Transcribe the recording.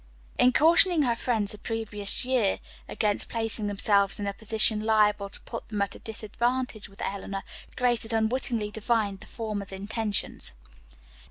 In cautioning her friends the previous year against placing themselves in a position liable to put them at a disadvantage with Eleanor, Grace had unwittingly divined the former's intentions.